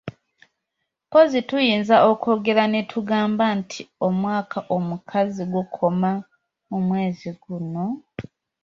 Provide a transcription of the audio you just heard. Mpozzi tuyinza okwogera ne tugamba nti omwaka omukazi gukoma mu mwezi guno.